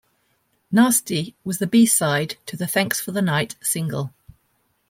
"Nasty" was the B-side to the "Thanks for the Night" single.